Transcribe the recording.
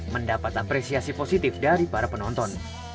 mendapat apresiasi positif dari para penonton